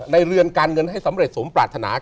เรือนการเงินให้สำเร็จสมปรารถนา